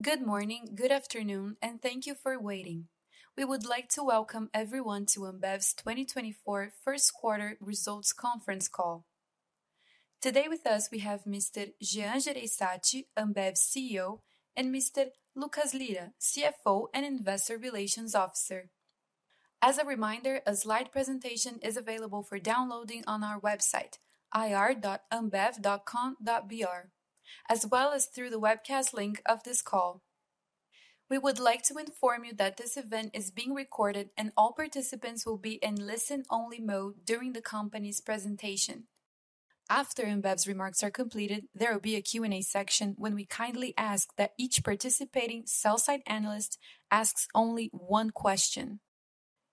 Good morning, good afternoon, and thank you for waiting. We would like to welcome everyone to Ambev's 2024 first quarter results conference call. Today with us, we have Mr. Jean Jereissati, Ambev's CEO, and Mr. Lucas Lira, CFO and Investor Relations Officer. As a reminder, a slide presentation is available for downloading on our website, ir.ambev.com.br, as well as through the webcast link of this call. We would like to inform you that this event is being recorded, and all participants will be in listen-only mode during the company's presentation. After Ambev's remarks are completed, there will be a Q&A section when we kindly ask that each participating sell-side analyst asks only one question.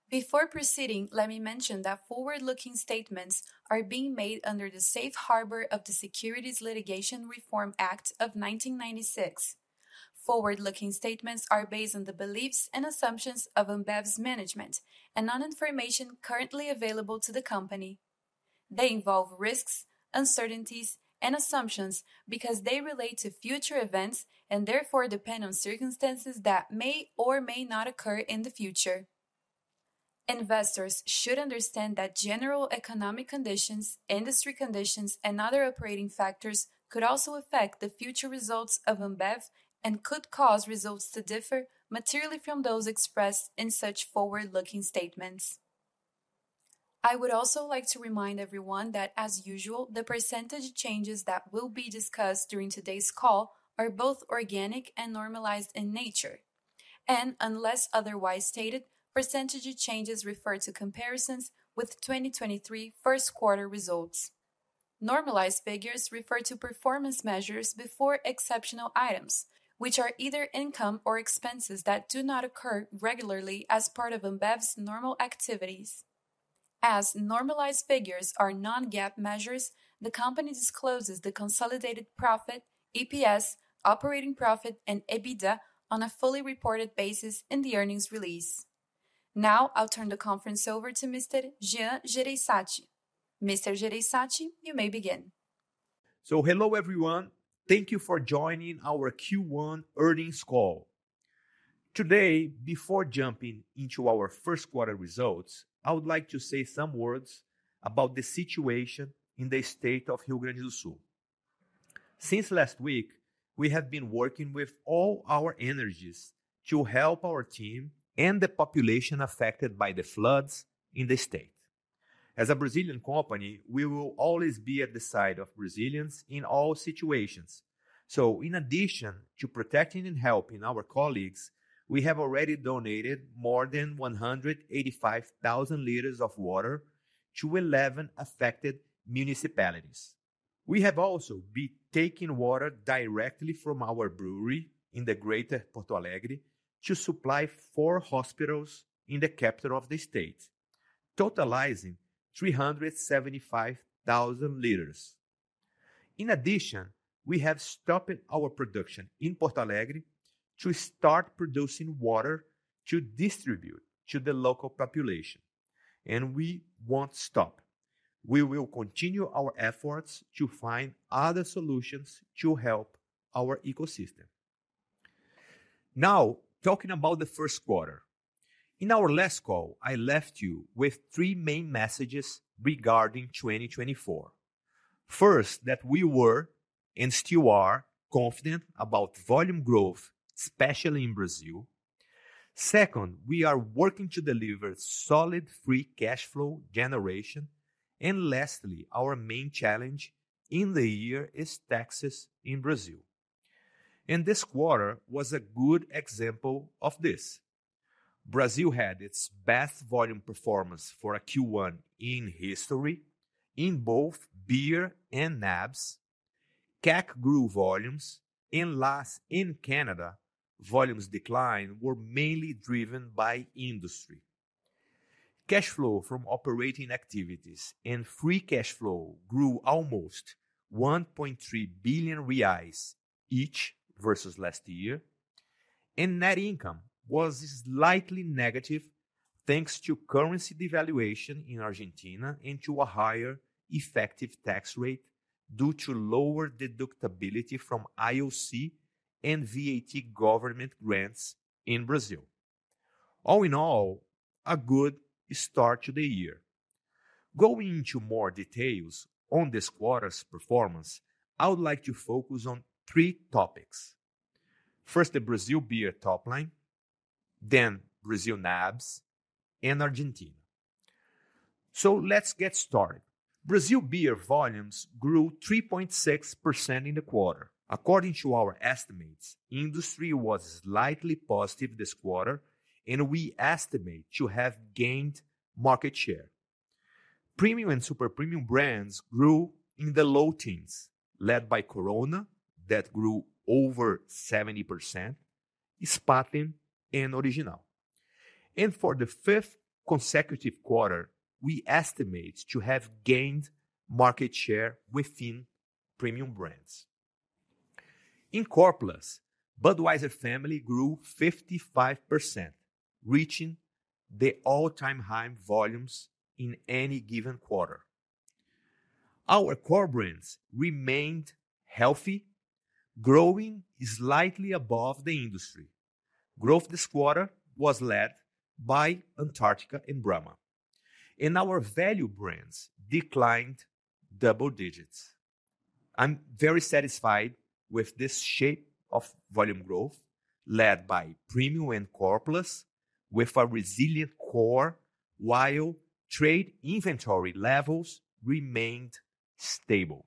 Before proceeding, let me mention that forward-looking statements are being made under the safe harbor of the Securities Litigation Reform Act of 1996. Forward-looking statements are based on the beliefs and assumptions of Ambev's management and on information currently available to the company. They involve risks, uncertainties, and assumptions because they relate to future events and therefore depend on circumstances that may or may not occur in the future. Investors should understand that general economic conditions, industry conditions, and other operating factors could also affect the future results of Ambev and could cause results to differ materially from those expressed in such forward-looking statements. I would also like to remind everyone that, as usual, the percentage changes that will be discussed during today's call are both organic and normalized in nature, and unless otherwise stated, percentage changes refer to comparisons with 2023 first quarter results. Normalized figures refer to performance measures before exceptional items, which are either income or expenses that do not occur regularly as part of Ambev's normal activities. As normalized figures are non-GAAP measures, the company discloses the consolidated profit, EPS, operating profit, and EBITDA on a fully reported basis in the earnings release. Now, I'll turn the conference over to Mr. Jean Jereissati. Mr. Jereissati, you may begin. So hello, everyone. Thank you for joining our Q1 earnings call. Today, before jumping into our first quarter results, I would like to say some words about the situation in the state of Rio Grande do Sul. Since last week, we have been working with all our energies to help our team and the population affected by the floods in the state. As a Brazilian company, we will always be at the side of Brazilians in all situations. So in addition to protecting and helping our colleagues, we have already donated more than 185,000 liters of water to 11 affected municipalities. We have also been taking water directly from our brewery in the Greater Porto Alegre to supply four hospitals in the capital of the state, totalizing 375,000 liters. In addition, we have stopped our production in Porto Alegre to start producing water to distribute to the local population, and we won't stop. We will continue our efforts to find other solutions to help our ecosystem. Now, talking about the first quarter. In our last call, I left you with three main messages regarding 2024. First, that we were, and still are, confident about volume growth, especially in Brazil. Second, we are working to deliver solid free cash flow generation. And lastly, our main challenge in the year is taxes in Brazil. And this quarter was a good example of this. Brazil had its best volume performance for a Q1 in history in both beer and NABs. CAC grew volumes, and last in Canada, volumes decline were mainly driven by industry. Cash flow from operating activities and free cash flow grew almost 1.3 billion reais each versus last year, and net income was slightly negative, thanks to currency devaluation in Argentina and to a higher effective tax rate due to lower deductibility from IOC and VAT government grants in Brazil. All in all, a good start to the year. Going into more details on this quarter's performance, I would like to focus on three topics. First, the Brazil beer top line, then Brazil NABs, and Argentina. So let's get started. Brazil beer volumes grew 3.6% in the quarter. According to our estimates, industry was slightly positive this quarter, and we estimate to have gained market share. Premium and Super Premium brands grew in the low teens, led by Corona, that grew over 70%, Spaten and Original. For the 5th consecutive quarter, we estimate to have gained market share within Premium brands. In Core Plus, Budweiser family grew 55%, reaching the all-time high volumes in any given quarter. Our core brands remained healthy, growing slightly above the industry. Growth this quarter was led by Antarctica and Brahma, and our value brands declined double digits. I'm very satisfied with this shape of volume growth, led by Premium and Core Plus, with a resilient core, while trade inventory levels remained stable.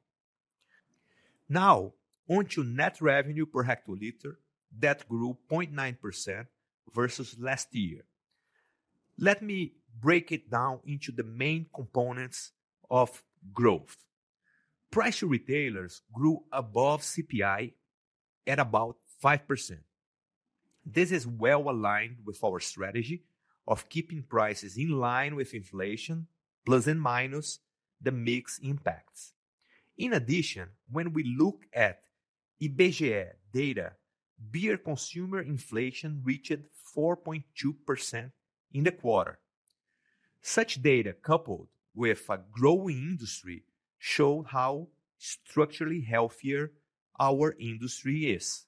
Now, on to net revenue per hectoliter, that grew 0.9% versus last year. Let me break it down into the main components of growth. Price to retailers grew above CPI at about 5%. This is well aligned with our strategy of keeping prices in line with inflation, plus and minus the mix impacts. In addition, when we look at IBGE data, beer consumer inflation reached 4.2% in the quarter. Such data, coupled with a growing industry, show how structurally healthier our industry is.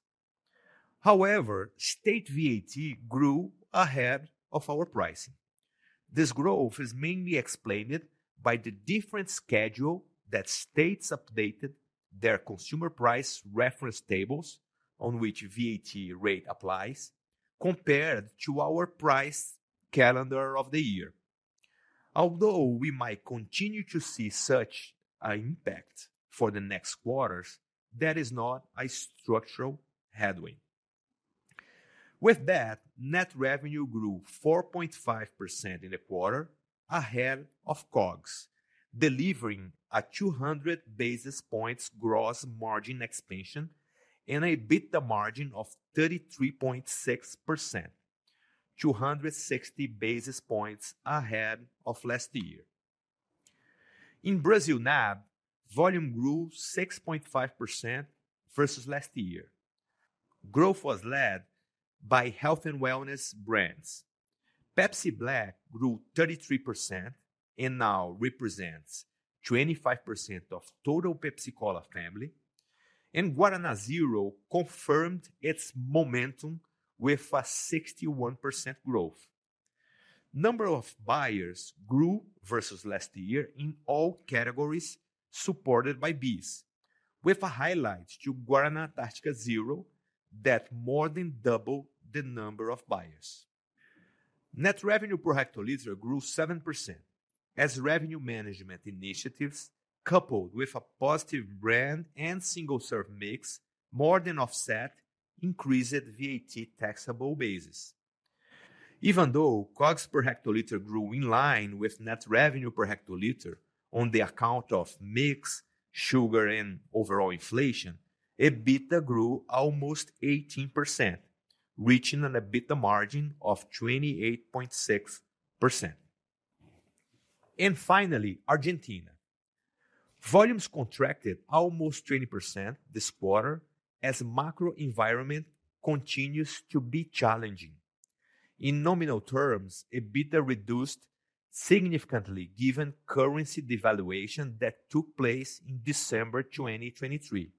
However, state VAT grew ahead of our pricing. This growth is mainly explained by the different schedule that states updated their consumer price reference tables, on which VAT rate applies, compared to our price calendar of the year. Although we might continue to see such an impact for the next quarters, that is not a structural headwind. With that, net revenue grew 4.5% in the quarter, ahead of COGS, delivering a 200 basis points gross margin expansion and EBITDA margin of 33.6%, 260 basis points ahead of last year. In Brazil NAB, volume grew 6.5% versus last year. Growth was led by health and wellness brands. Pepsi Black grew 33% and now represents 25% of total Pepsi Cola family, and Guaraná Zero confirmed its momentum with a 61% growth. Number of buyers grew versus last year in all categories, supported by BEES, with a highlight to Guaraná Antarctica Zero, that more than doubled the number of buyers. Net revenue per hectoliter grew 7%, as revenue management initiatives, coupled with a positive brand and single serve mix, more than offset increased VAT taxable basis. Even though COGS per hectoliter grew in line with net revenue per hectoliter on account of mix, sugar, and overall inflation, EBITDA grew almost 18%, reaching an EBITDA margin of 28.6%. And finally, Argentina. Volumes contracted almost 20% this quarter, as macro environment continues to be challenging. In nominal terms, EBITDA reduced significantly, given currency devaluation that took place in December 2023.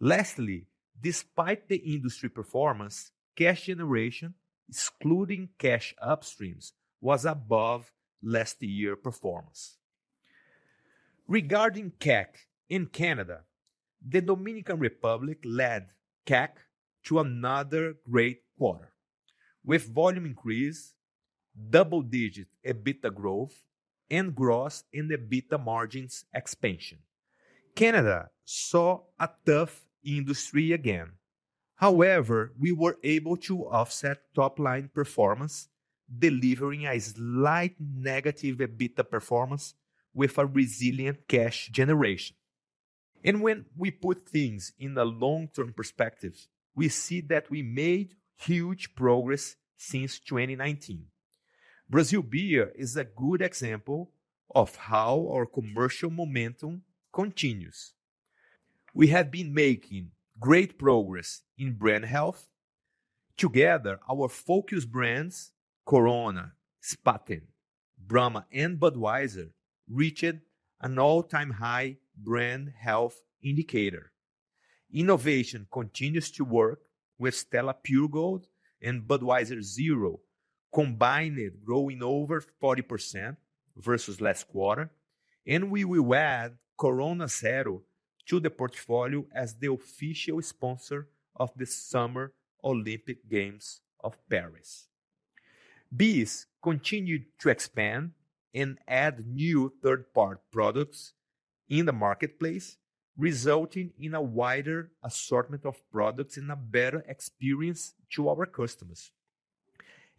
Lastly, despite the industry performance, cash generation, excluding cash upstreams, was above last year performance. Regarding CAC in Canada, the Dominican Republic led CAC to another great quarter, with volume increase, double-digit EBITDA growth, and gross and EBITDA margins expansion. Canada saw a tough industry again. However, we were able to offset top-line performance, delivering a slight negative EBITDA performance with a resilient cash generation. When we put things in a long-term perspective, we see that we made huge progress since 2019. Brazil Beer is a good example of how our commercial momentum continues. We have been making great progress in brand health. Together, our focus brands, Corona, Spaten, Brahma, and Budweiser, reached an all-time high brand health indicator. Innovation continues to work with Stella Pure Gold and Budweiser Zero, combined growing over 40% versus last quarter, and we will add Corona Zero to the portfolio as the official sponsor of the Summer Olympic Games of Paris. BEES continued to expand and add new third-party products in the marketplace, resulting in a wider assortment of products and a better experience to our customers.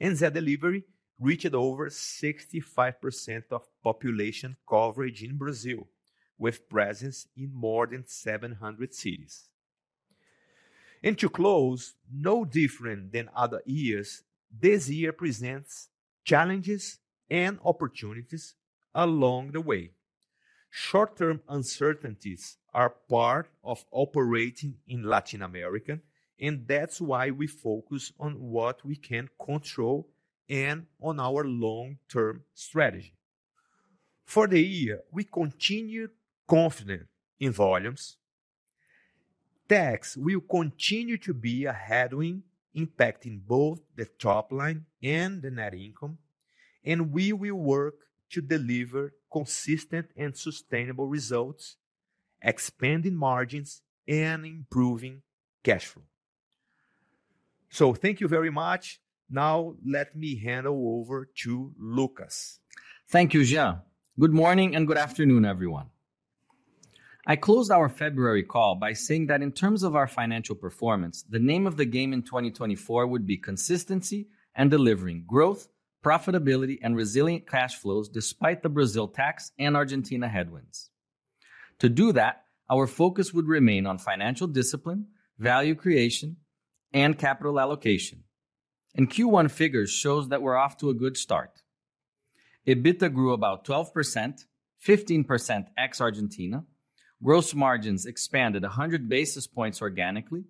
Zé Delivery reached over 65% of population coverage in Brazil, with presence in more than 700 cities. To close, no different than other years, this year presents challenges and opportunities along the way. Short-term uncertainties are part of operating in Latin America, and that's why we focus on what we can control and on our long-term strategy. For the year, we continue confident in volumes. Tax will continue to be a headwind, impacting both the top line and the net income, and we will work to deliver consistent and sustainable results, expanding margins and improving cash flow. So thank you very much. Now let me hand over to Lucas. Thank you, Jean. Good morning, and good afternoon, everyone. I closed our February call by saying that in terms of our financial performance, the name of the game in 2024 would be consistency and delivering growth, profitability, and resilient cash flows, despite the Brazil tax and Argentina headwinds. To do that, our focus would remain on financial discipline, value creation, and capital allocation, and Q1 figures shows that we're off to a good start. EBITDA grew about 12%, 15% ex-Argentina. Gross margins expanded 100 basis points organically,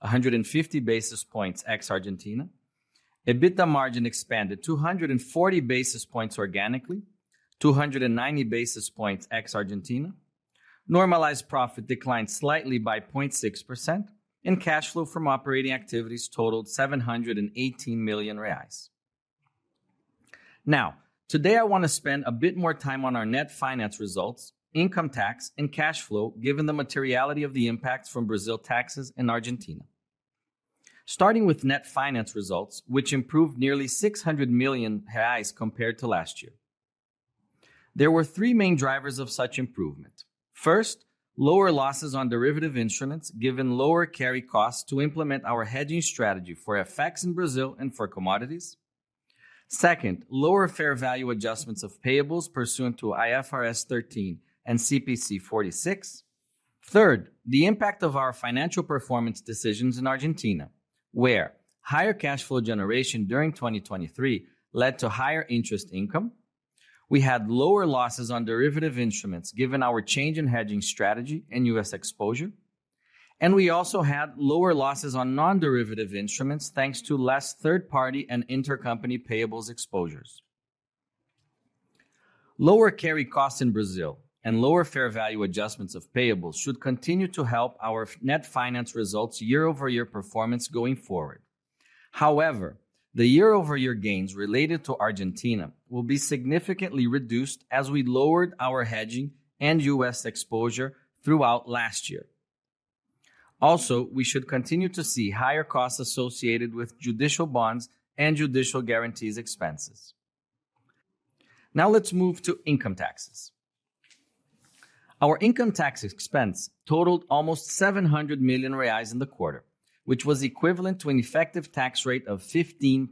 150 basis points ex-Argentina. EBITDA margin expanded 240 basis points organically, 290 basis points ex-Argentina. Normalized profit declined slightly by 0.6%, and cash flow from operating activities totaled 718 million reais. Now, today I wanna spend a bit more time on our net finance results, income tax, and cash flow, given the materiality of the impacts from Brazil taxes and Argentina. Starting with net finance results, which improved nearly 600 million reais compared to last year. There were three main drivers of such improvement. First, lower losses on derivative instruments, given lower carry costs to implement our hedging strategy for FX in Brazil and for commodities. Second, lower fair value adjustments of payables pursuant to IFRS 13 and CPC 46. Third, the impact of our financial performance decisions in Argentina, where higher cash flow generation during 2023 led to higher interest income. We had lower losses on derivative instruments, given our change in hedging strategy and U.S. exposure, and we also had lower losses on non-derivative instruments, thanks to less third-party and intercompany payables exposures. Lower carry costs in Brazil and lower fair value adjustments of payables should continue to help our net finance results year-over-year performance going forward. However, the year-over-year gains related to Argentina will be significantly reduced as we lowered our hedging and US exposure throughout last year. Also, we should continue to see higher costs associated with judicial bonds and judicial guarantees expenses. Now let's move to income taxes. Our income tax expense totaled almost 700 million reais in the quarter, which was equivalent to an effective tax rate of 15%.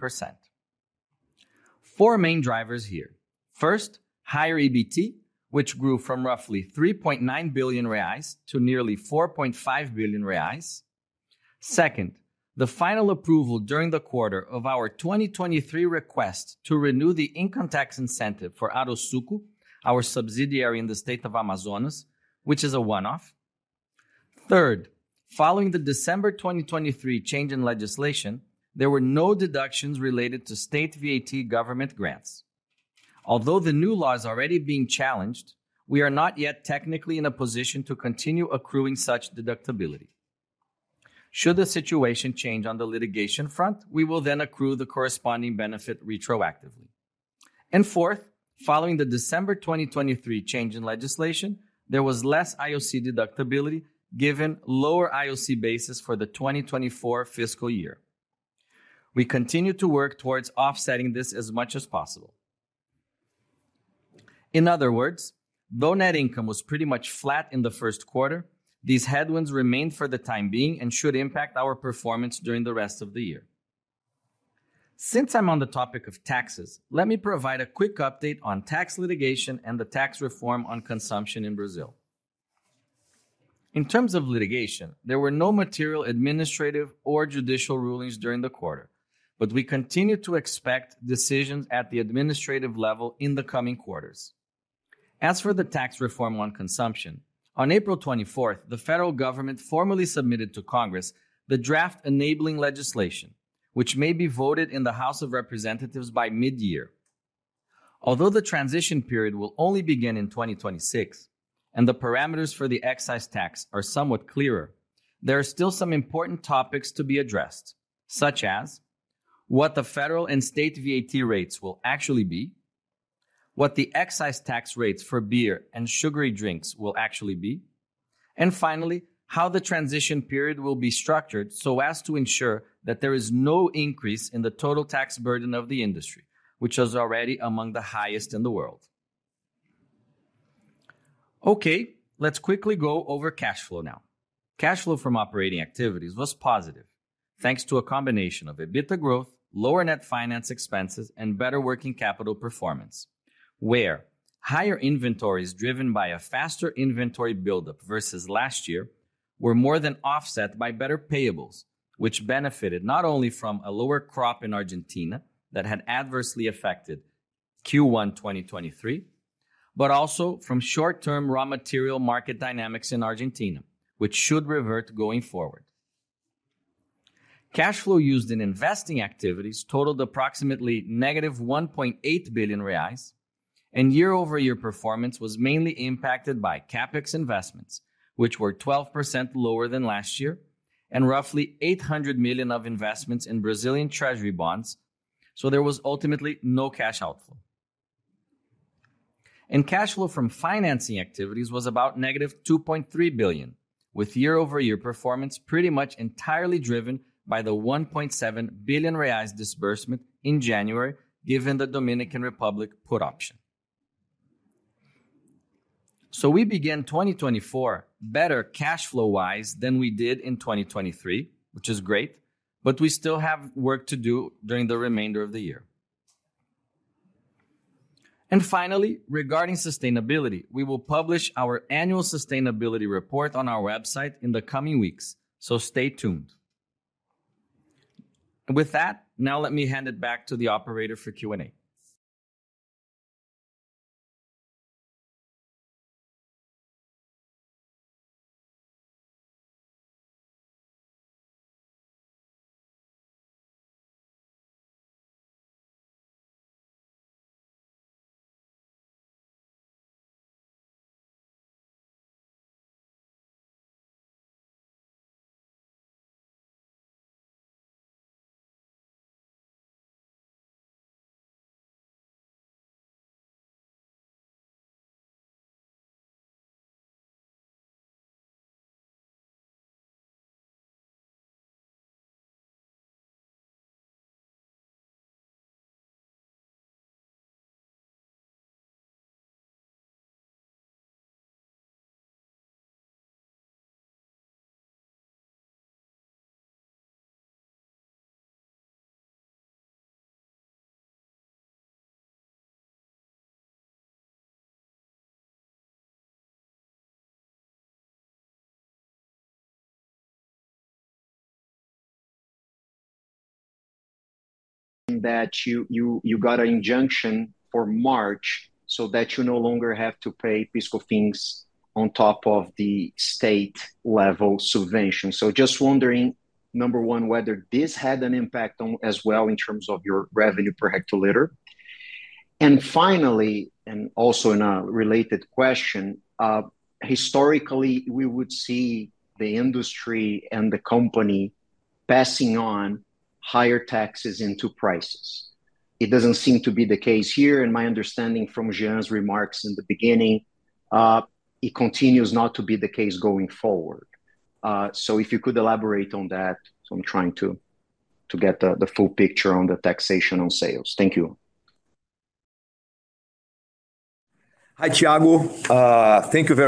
Four main drivers here. First, higher EBT, which grew from roughly 3.9 billion reais to nearly 4.5 billion reais. Second, the final approval during the quarter of our 2023 request to renew the income tax incentive for Arosuco, our subsidiary in the state of Amazonas, which is a one-off. Third, following the December 2023 change in legislation, there were no deductions related to state VAT government grants. Although the new law is already being challenged, we are not yet technically in a position to continue accruing such deductibility. Should the situation change on the litigation front, we will then accrue the corresponding benefit retroactively. And fourth, following the December 2023 change in legislation, there was less IOC deductibility, given lower IOC basis for the 2024 fiscal year. We continue to work towards offsetting this as much as possible. In other words, though net income was pretty much flat in the first quarter, these headwinds remained for the time being and should impact our performance during the rest of the year. Since I'm on the topic of taxes, let me provide a quick update on tax litigation and the tax reform on consumption in Brazil. In terms of litigation, there were no material, administrative, or judicial rulings during the quarter, but we continue to expect decisions at the administrative level in the coming quarters. As for the tax reform on consumption, on April 24th, the federal government formally submitted to Congress the draft enabling legislation, which may be voted in the House of Representatives by mid-year. Although the transition period will only begin in 2026, and the parameters for the excise tax are somewhat clearer, there are still some important topics to be addressed, such as what the federal and state VAT rates will actually be, what the excise tax rates for beer and sugary drinks will actually be, and finally, how the transition period will be structured so as to ensure that there is no increase in the total tax burden of the industry, which is already among the highest in the world. Okay, let's quickly go over cash flow now. Cash flow from operating activities was positive, thanks to a combination of EBITDA growth, lower net finance expenses, and better working capital performance, where higher inventories, driven by a faster inventory buildup versus last year, were more than offset by better payables, which benefited not only from a lower crop in Argentina that had adversely affected Q1 2023, but also from short-term raw material market dynamics in Argentina, which should revert going forward. Cash flow used in investing activities totaled approximately -1.8 billion reais, and year-over-year performance was mainly impacted by CapEx investments, which were 12% lower than last year, and roughly 800 million of investments in Brazilian Treasury bonds. So there was ultimately no cash outflow. Cash flow from financing activities was about -2.3 billion, with year-over-year performance pretty much entirely driven by the 1.7 billion reais disbursement in January, given the Dominican Republic put option. We began 2024 better cash flow-wise than we did in 2023, which is great, but we still have work to do during the remainder of the year. Finally, regarding sustainability, we will publish our annual sustainability report on our website in the coming weeks, so stay tuned. With that, now let me hand it back to the operator for Q&A. Hi, Thiago. Thank you very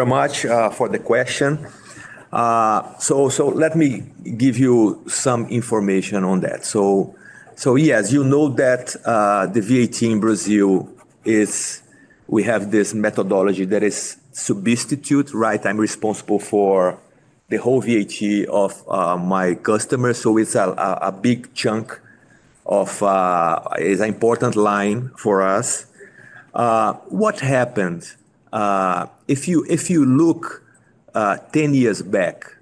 much for the question. So let me give you some information on that. So yes, you know that the VAT in Brazil is we have this methodology that is substitute, right? I'm responsible for the whole VAT of my customers, so it's a big chunk of. It's an important line for us. What happened, if you look 10 years back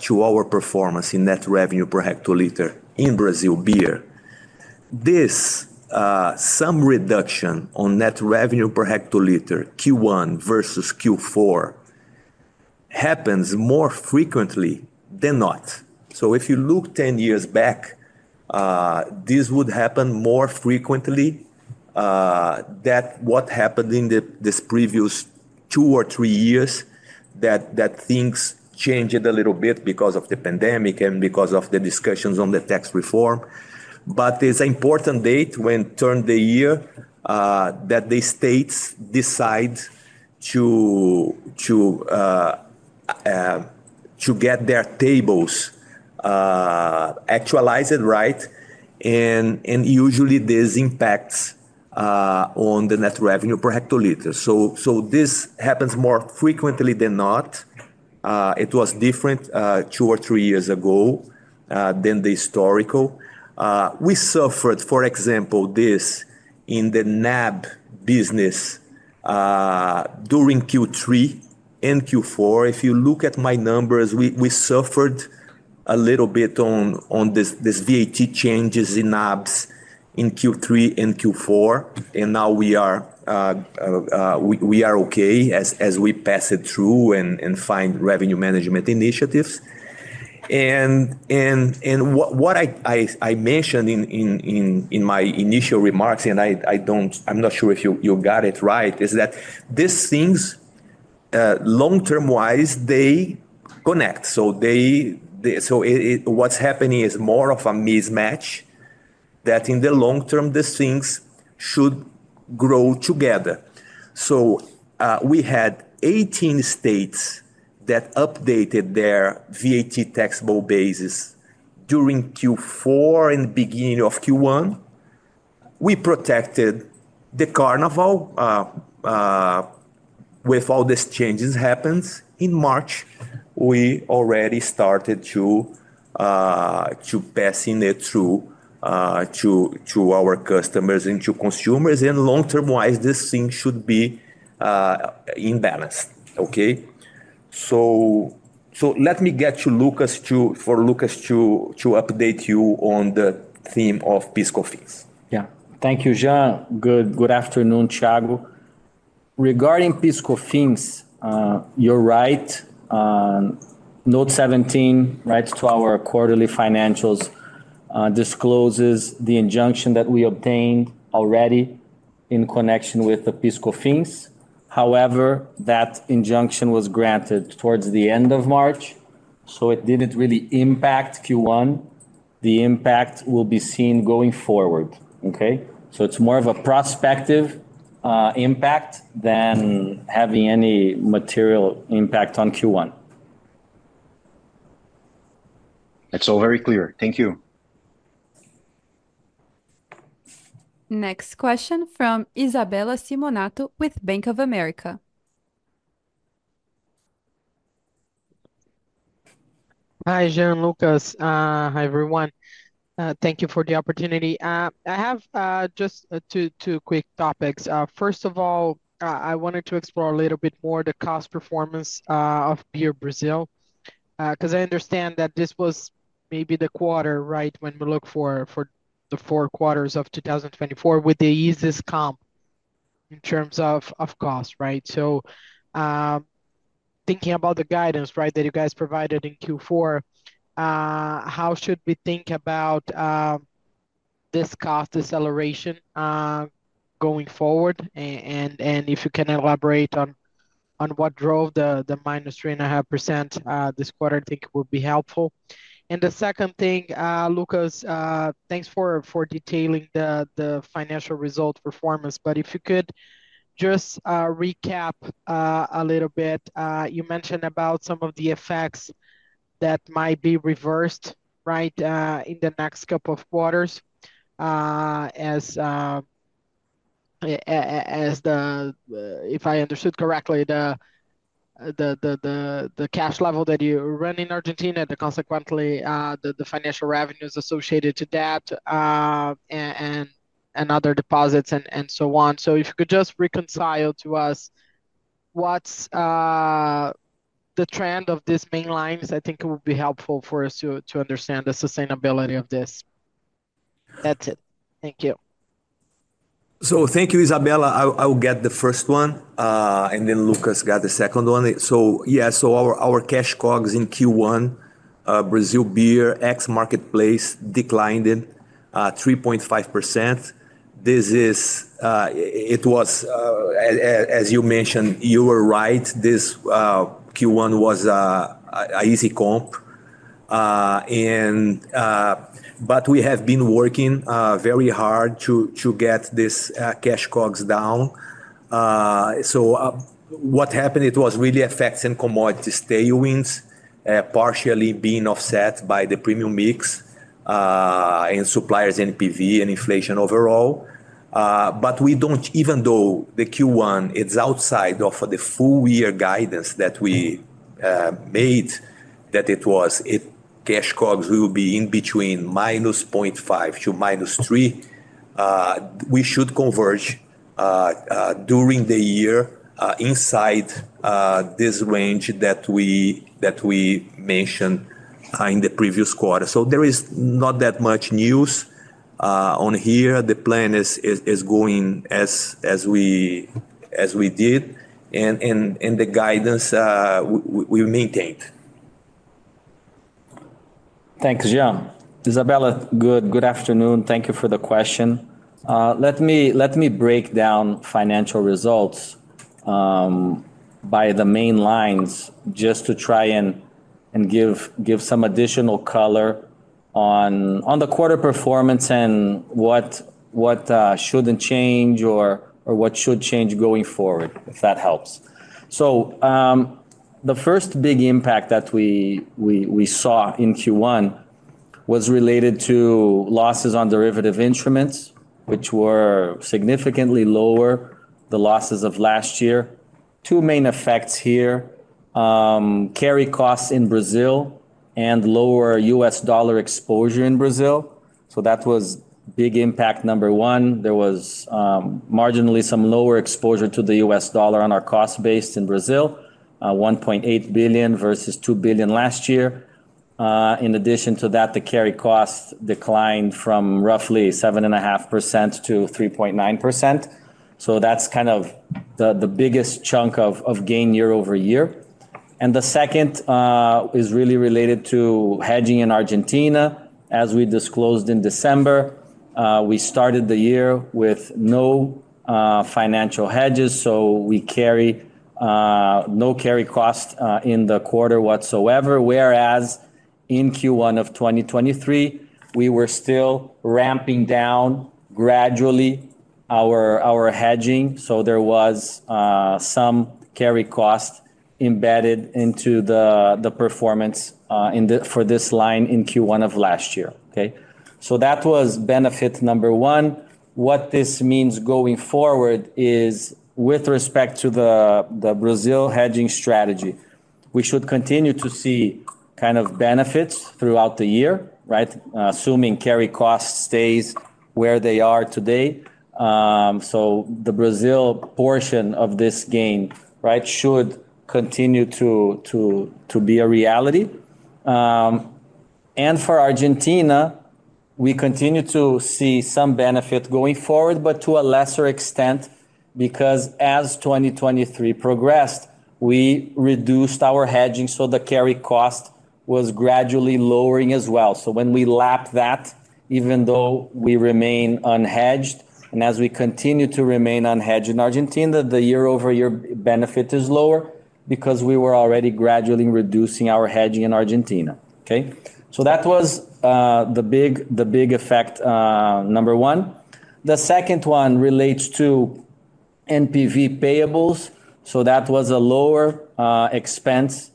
to our performance in net revenue per hectoliter in Brazil beer, this some reduction on net revenue per hectoliter, Q1 versus Q4, happens more frequently than not. So if you look 10 years back, this would happen more frequently than what happened two or three years, that things changed a little bit because of the pandemic and because of the discussions on the tax reform. But there's an important date at the turn of the year, that the states decide to get their tables actualized, right? And usually, this impacts on the net revenue per hectoliter. So this happens more frequently than not. two or three years ago than the historical. We suffered, for example, this in the NAB business during Q3 and Q4. If you look at my numbers, we suffered a little bit on this VAT changes in NABs in Q3 and Q4, and now we are okay as we pass it through and find revenue management initiatives. And what I mentioned in my initial remarks, and I'm not sure if you got it right, is that these things, long-term wise, they connect. So what's happening is more of a mismatch, that in the long term, these things should grow together. So we had 18 states that updated their VAT taxable basis during Q4 and beginning of Q1. We protected the carnival with all these changes happens. In March, we already started to passing it through to our customers and to consumers, and long-term wise, this thing should be in balance. Okay? So let me get to Lucas for Lucas to update you on the theme of PIS/Cofins. Yeah. Thank you, Jean. Good, good afternoon, Thiago. Regarding PIS/Cofins, you're right. Note 17, right, to our quarterly financials, discloses the injunction that we obtained already in connection with the PIS/Cofins. However, that injunction was granted towards the end of March, so it didn't really impact Q1. The impact will be seen going forward, okay? So it's more of a prospective, impact than having any material impact on Q1. It's all very clear. Thank you. Next question from Isabella Simonato with Bank of America. Hi, Jean, Lucas. Hi, everyone. Thank you for the opportunity. I have just two quick topics. First of all, I wanted to explore a little bit more the cost performance of Beer Brazil. 'Cause I understand that this was maybe the quarter, right, when we look for the four quarters of 2024, with the easiest comp in terms of cost, right? So, thinking about the guidance, right, that you guys provided in Q4, how should we think about this cost deceleration going forward? And if you can elaborate on what drove the -3.5% this quarter, I think it would be helpful. The second thing, Lucas, thanks for detailing the financial result performance, but if you could just recap a little bit. You mentioned about some of the effects that might be reversed, right, in the next couple of quarters. If I understood correctly, the cash level that you run in Argentina, and consequently, the financial revenues associated to that, and other deposits and so on. So if you could just reconcile to us what's the trend of these main lines. I think it would be helpful for us to understand the sustainability of this. That's it. Thank you. Thank you, Isabella. I will, I will get the first one, and then Lucas get the second one. So yeah, so our, our cash COGS in Q1, Brazil beer ex-marketplace declined in 3.5%. This is, it was. As you mentioned, you were right, this Q1 was an easy comp. And but we have been working very hard to, to get this cash COGS down. So, what happened, it was really effects in commodity tailwinds, partially being offset by the Premium mix, and suppliers NPV and inflation overall. But even though the Q1 is outside of the full year guidance that we made, that cash COGS will be in between -0.5 to -3, we should converge during the year inside this range that we mentioned in the previous quarter. So there is not that much news on here. The plan is going as we did, and the guidance we maintained. Thanks, Jean. Isabella, good afternoon. Thank you for the question. Let me break down financial results by the main lines, just to try and give some additional color on the quarter performance and what shouldn't change or what should change going forward, if that helps. So, the first big impact that we saw in Q1 was related to losses on derivative instruments, which were significantly lower the losses of last year. Two main effects here: carry costs in Brazil and lower US dollar exposure in Brazil. So that was big impact number one. There was marginally some lower exposure to the US dollar on our cost base in Brazil, 1.8 billion versus 2 billion last year. In addition to that, the carry cost declined from roughly 7.5% to 3.9%. So that's kind of the biggest chunk of gain year-over-year. And the second is really related to hedging in Argentina. As we disclosed in December, we started the year with no financial hedges, so we carry no carry cost in the quarter whatsoever, whereas in Q1 of 2023, we were still ramping down gradually our hedging, so there was some carry cost embedded into the performance for this line in Q1 of last year. Okay? So that was benefit number one. What this means going forward is with respect to the Brazil hedging strategy, we should continue to see kind of benefits throughout the year, right? Assuming carry costs stays where they are today. So the Brazil portion of this gain, right, should continue to be a reality. And for Argentina, we continue to see some benefit going forward, but to a lesser extent, because as 2023 progressed, we reduced our hedging, so the carry cost was gradually lowering as well. So when we lap that, even though we remain unhedged, and as we continue to remain unhedged in Argentina, the year-over-year benefit is lower because we were already gradually reducing our hedging in Argentina. Okay? So that was the big effect, number one. The second one relates to NPV payables, so that was a lower expense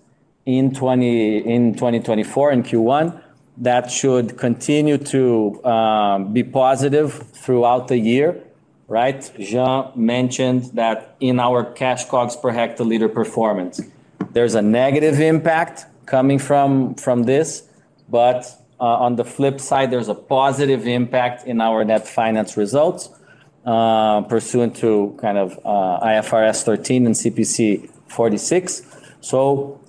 in 2024, in Q1. That should continue to be positive throughout the year, right? Jean mentioned that in our cash COGS per hectoliter performance, there's a negative impact coming from this, but on the flip side, there's a positive impact in our net finance results, pursuant to kind of IFRS 13 and CPC 46. So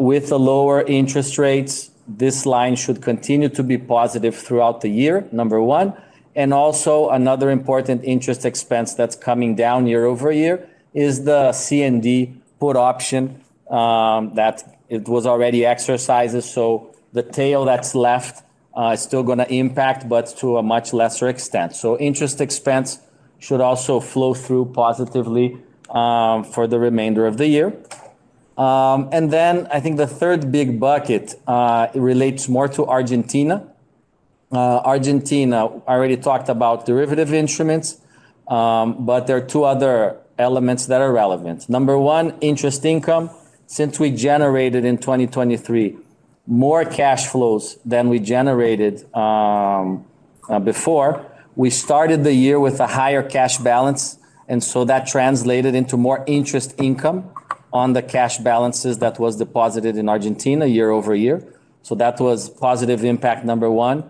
with the lower interest rates, this line should continue to be positive throughout the year, number one. And also another important interest expense that's coming down year-over-year is the CND put option that it was already exercised, so the tail that's left is still gonna impact, but to a much lesser extent. So interest expense should also flow through positively for the remainder of the year. And then I think the third big bucket relates more to Argentina. Argentina, I already talked about derivative instruments, but there are two other elements that are relevant. Number one, interest income. Since we generated in 2023 more cash flows than we generated before, we started the year with a higher cash balance, and so that translated into more interest income on the cash balances that was deposited in Argentina year-over-year. So that was positive impact number one,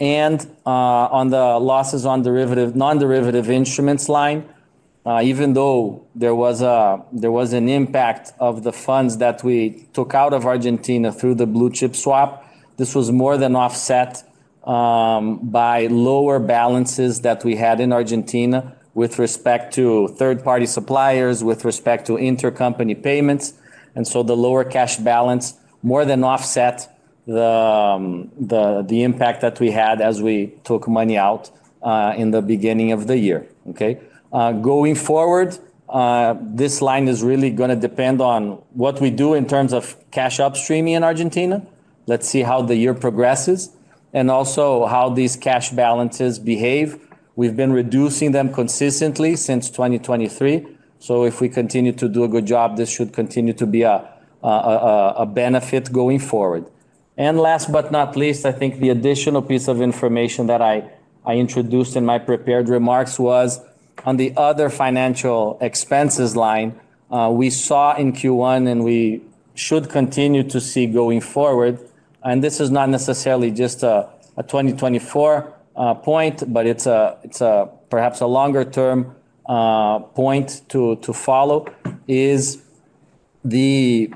and on the losses on derivative, non-derivative instruments line, even though there was an impact of the funds that we took out of Argentina through the blue chip swap, this was more than offset by lower balances that we had in Argentina with respect to third-party suppliers, with respect to intercompany payments. And so the lower cash balance more than offset the impact that we had as we took money out in the beginning of the year, okay? Going forward, this line is really gonna depend on what we do in terms of cash upstreaming in Argentina. Let's see how the year progresses and also how these cash balances behave. We've been reducing them consistently since 2023, so if we continue to do a good job, this should continue to be a benefit going forward. And last but not least, I think the additional piece of information that I introduced in my prepared remarks was on the other financial expenses line, we saw in Q1, and we should continue to see going forward. And this is not necessarily just a 2024 point, but it's perhaps a longer-term point to follow, is the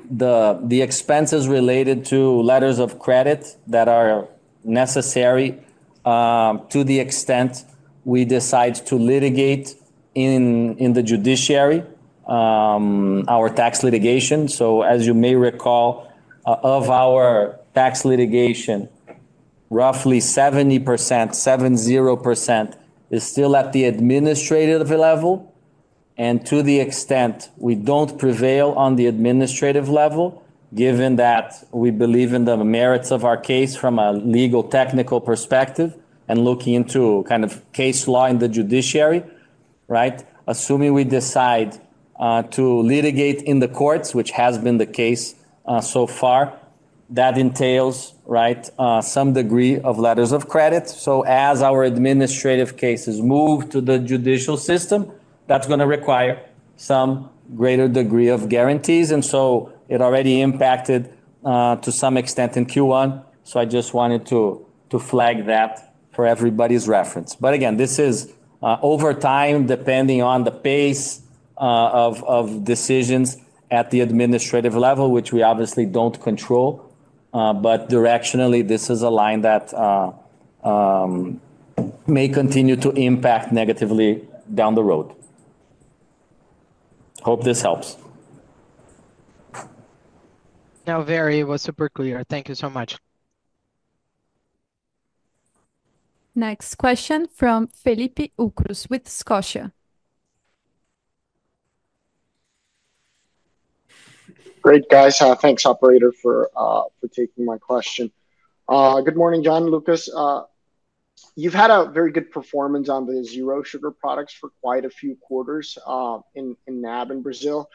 expenses related to letters of credit that are necessary, to the extent we decide to litigate in the judiciary, our tax litigation. So as you may recall, of our tax litigation, roughly 70%, 70%, is still at the administrative level. And to the extent we don't prevail on the administrative level, given that we believe in the merits of our case from a legal, technical perspective and looking into kind of case law in the judiciary, right? Assuming we decide to litigate in the courts, which has been the case so far, that entails, right, some degree of letters of credit. So as our administrative cases move to the judicial system, that's gonna require some greater degree of guarantees, and so it already impacted to some extent in Q1. So I just wanted to flag that for everybody's reference. But again, this is over time, depending on the pace of decisions at the administrative level, which we obviously don't control, but directionally, this is a line that may continue to impact negatively down the road. Hope this helps. No, very, it was super clear. Thank you so much. Next question from Felipe Ucros with Scotia. Great, guys. Thanks, operator, for taking my question. Good morning, Jean, Lucas. You've had a very good performance on the zero sugar products for quite a few quarters in NAB in Brazil,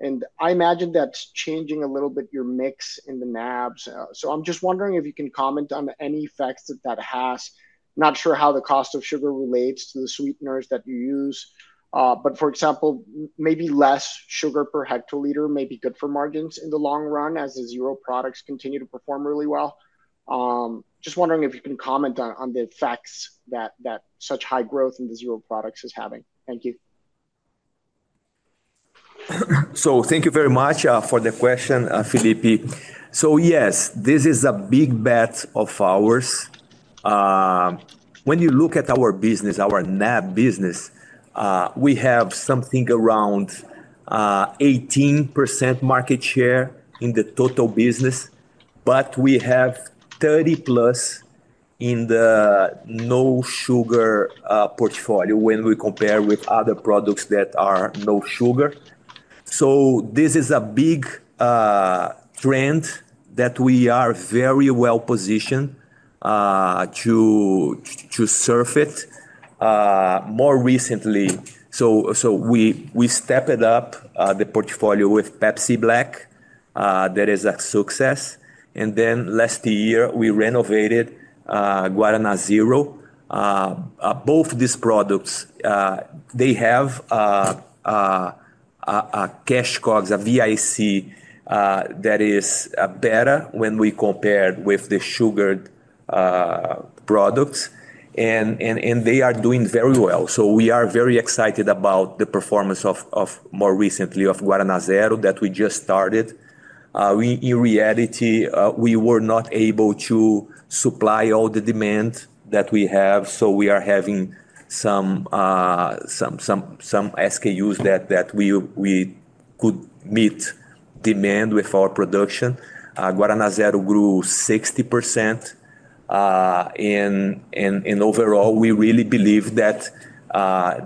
and I imagine that's changing a little bit your mix in the NABs. So I'm just wondering if you can comment on any effects that that has. Not sure how the cost of sugar relates to the sweeteners that you use, but for example, maybe less sugar per hectoliter may be good for margins in the long run as the zero products continue to perform really well? Just wondering if you can comment on the effects that such high growth in the zero products is having. Thank you. So thank you very much for the question, Felipe. So yes, this is a big bet of ours. When you look at our business, our NAB business, we have something around 18% market share in the total business, but we have 30+ in the no sugar portfolio when we compare with other products that are no sugar. So this is a big trend that we are very well-positioned to surf it. More recently, so we stepped it up, the portfolio with Pepsi Black, that is a success. And then last year, we renovated Guaraná Zero. Both these products, they have a cash COGS, a VIC, that is better when we compare with the sugared products, and they are doing very well. So we are very excited about the performance of, more recently, of Guaraná Zero that we just started. In reality, we were not able to supply all the demand that we have, so we are having some SKUs that we could meet demand with our production. Guaraná Zero grew 60%, and overall, we really believe that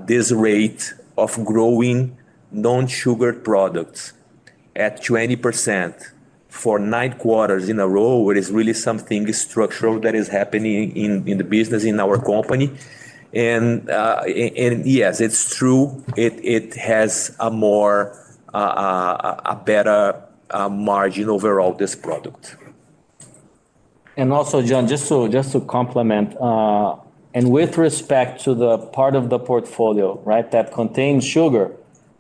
this rate of growing non-sugar products at 20% for nine quarters in a row is really something structural that is happening in the business, in our company. And yes, it's true, it has a more a better margin overall, this product. And also, John, just to, just to complement, and with respect to the part of the portfolio, right, that contains sugar,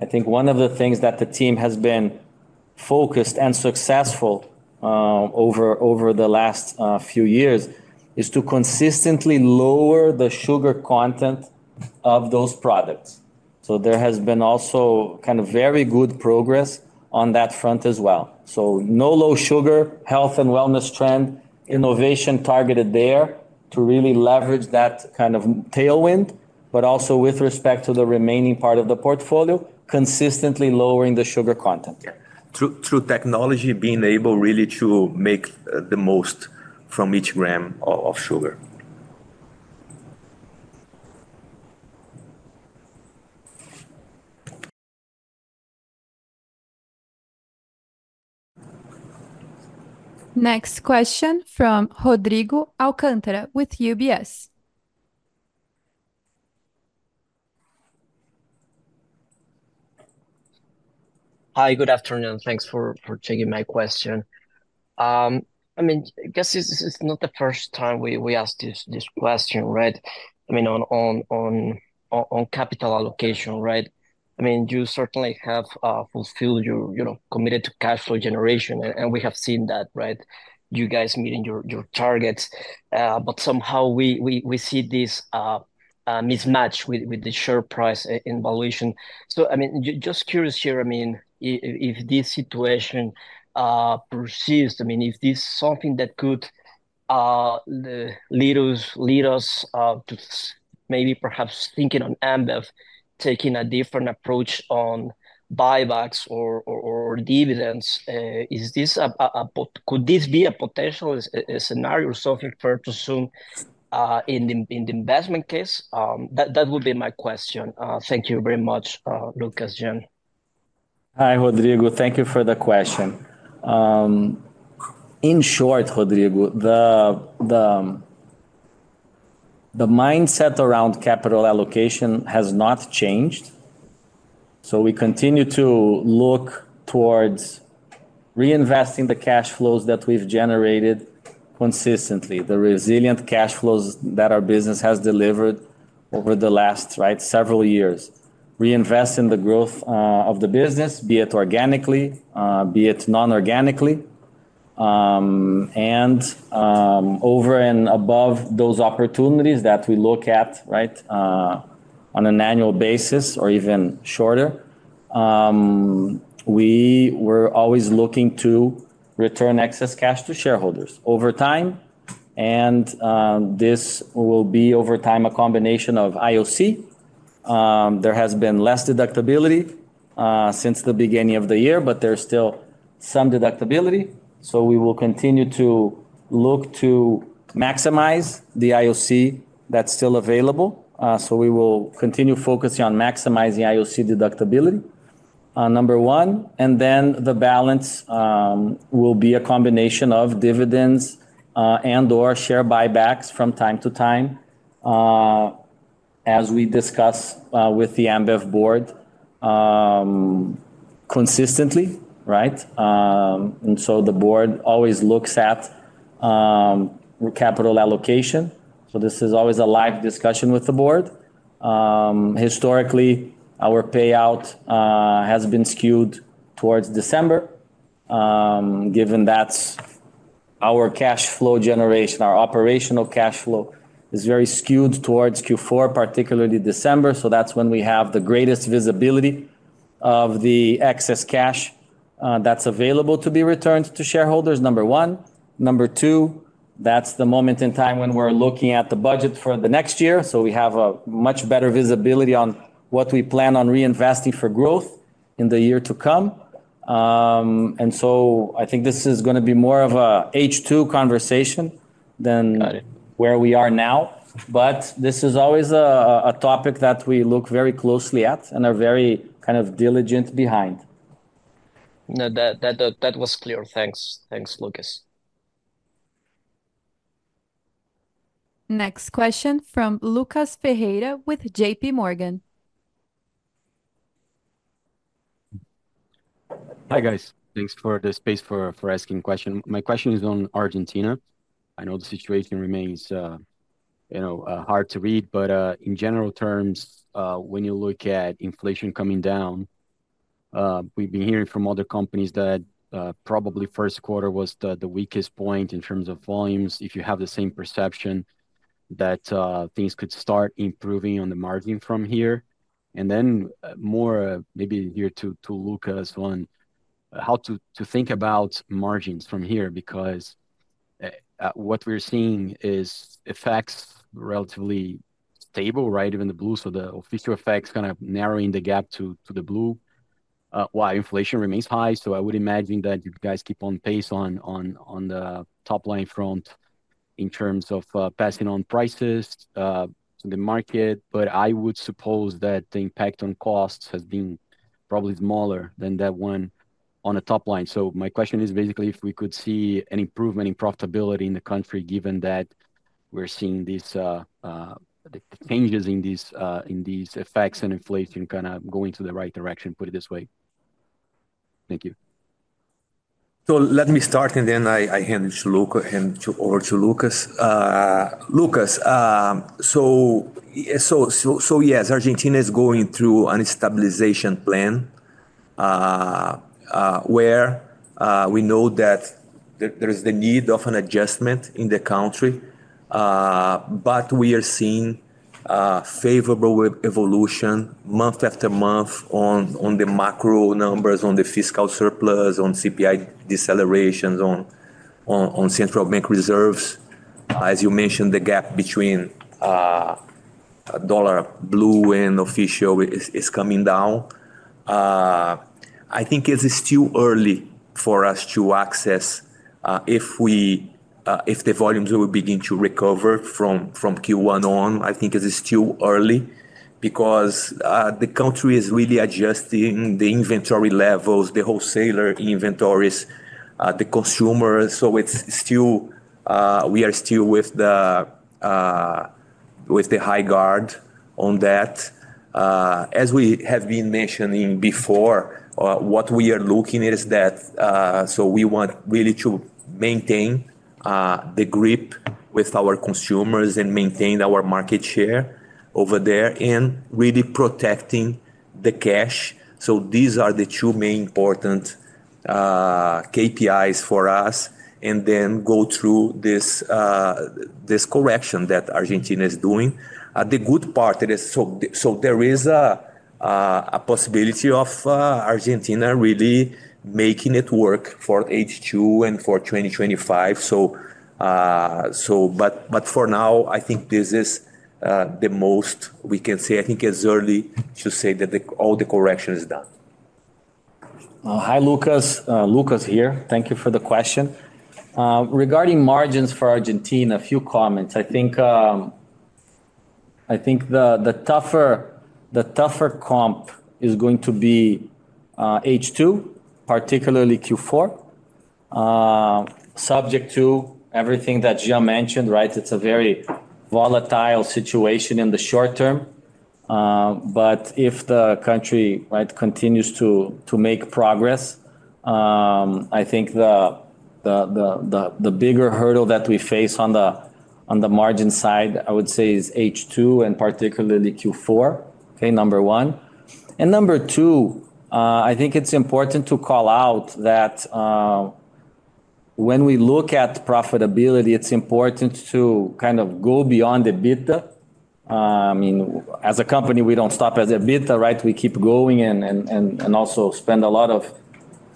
I think one of the things that the team has been focused and successful, over, over the last, few years, is to consistently lower the sugar content of those products. So there has been also kind of very good progress on that front as well. So no low sugar, health and wellness trend, innovation targeted there to really leverage that kind of tailwind, but also with respect to the remaining part of the portfolio, consistently lowering the sugar content. Yeah. Through technology, being able really to make the most from each gram of sugar. Next question from Rodrigo Alcantara with UBS. Hi, good afternoon, and thanks for taking my question. I mean, I guess this is not the first time we ask this question, right? I mean, on capital allocation, right? I mean, you certainly have fulfilled your. You know, committed to cash flow generation, and we have seen that, right? You guys meeting your targets, but somehow we see this mismatch with the share price and valuation. I mean, just curious here, I mean, if this situation persists, I mean, if this is something that could lead us to maybe perhaps thinking on Ambev taking a different approach on buybacks or dividends, could this be a potential scenario, something fair to assume in the investment case? That would be my question. Thank you very much, Lucas, Jean. Hi, Rodrigo. Thank you for the question. In short, Rodrigo, the mindset around capital allocation has not changed. So we continue to look towards reinvesting the cash flows that we've generated consistently, the resilient cash flows that our business has delivered over the last, right, several years. Reinvest in the growth of the business, be it organically, be it non-organically. And over and above those opportunities that we look at, right, on an annual basis or even shorter, we were always looking to return excess cash to shareholders over time, and this will be over time, a combination of IOC. There has been less deductibility since the beginning of the year, but there's still some deductibility, so we will continue to look to maximize the IOC that's still available. So we will continue focusing on maximizing IOC deductibility, number one, and then the balance will be a combination of dividends and/or share buybacks from time to time, as we discuss with the Ambev board consistently, right? So the board always looks at capital allocation. This is always a live discussion with the board. Historically, our payout has been skewed towards December, given that's our cash flow generation. Our operational cash flow is very skewed towards Q4, particularly December, so that's when we have the greatest visibility of the excess cash that's available to be returned to shareholders, number one. Number two, that's the moment in time when we're looking at the budget for the next year, so we have a much better visibility on what we plan on reinvesting for growth in the year to come. And so I think this is gonna be more of a H2 conversation than- Got it where we are now. But this is always a topic that we look very closely at and are very kind of diligent behind. No, that was clear. Thanks. Thanks, Lucas. Next question from Lucas Ferreira with JPMorgan. Hi, guys. Thanks for the space for asking question. My question is on Argentina. I know the situation remains, you know, hard to read, but in general terms, when you look at inflation coming down, we've been hearing from other companies that probably first quarter was the weakest point in terms of volumes. If you have the same perception that things could start improving on the margin from here. And then, more maybe here to Lucas on how to think about margins from here, because what we're seeing is FX relatively stable, right, even the blue. So the official FX kinda narrowing the gap to the blue while inflation remains high. So I would imagine that you guys keep on pace on the top line front in terms of passing on prices to the market. But I would suppose that the impact on costs has been probably smaller than that one on the top line. So my question is, basically, if we could see an improvement in profitability in the country, given that we're seeing these changes in these effects and inflation kinda going to the right direction, put it this way. Thank you. So let me start, and then I hand over to Lucas. Lucas, so yes, Argentina is going through a stabilization plan, where we know that there is the need of an adjustment in the country. But we are seeing favorable evolution month after month on the macro numbers, on the fiscal surplus, on CPI decelerations, on central bank reserves. As you mentioned, the gap between dollar blue and official is coming down. I think it's still early for us to assess if the volumes will begin to recover from Q1 on. I think it is still early because the country is really adjusting the inventory levels, the wholesaler inventories, the consumer. So it's still, we are still with the, with the high guard on that. As we have been mentioning before, what we are looking at is that, so we want really to maintain, the grip with our consumers and maintain our market share over there, and really protecting the cash. So these are the two main important, KPIs for us, and then go through this, this correction that Argentina is doing. The good part is so there is a, a possibility of, Argentina really making it work for H2 and for 2025. So, so but, but for now, I think this is, the most we can say. I think it's early to say that all the correction is done. Hi, Lucas. Lucas here. Thank you for the question. Regarding margins for Argentina, a few comments. I think the tougher comp is going to be H2, particularly Q4, subject to everything that Gian mentioned, right? It's a very volatile situation in the short term. But if the country, right, continues to make progress, I think the bigger hurdle that we face on the margin side, I would say, is H2 and particularly Q4. Okay, number one. And number two, I think it's important to call out that when we look at profitability, it's important to kind of go beyond the EBITDA. I mean, as a company, we don't stop at the EBITDA, right? We keep going and also spend a lot of